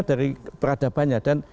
dari peradabannya dan